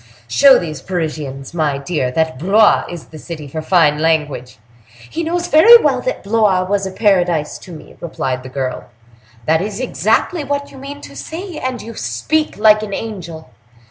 Show these Parisians, my dear, that Blois is the city for fine language!" "He knows very well that Blois was a Paradise to me," replied the girl. "That is exactly what you mean to say; and you speak like an angel."